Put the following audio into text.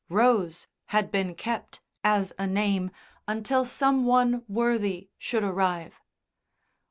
Rose had been kept, as a name, until some one worthy should arrive....